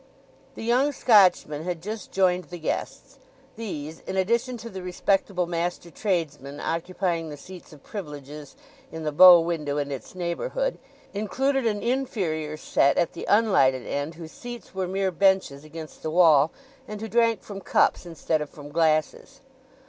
The young Scotchman had just joined the guests. These, in addition to the respectable master tradesmen occupying the seats of privileges in the bow window and its neighbourhood, included an inferior set at the unlighted end, whose seats were mere benches against the wall, and who drank from cups instead of from glasses.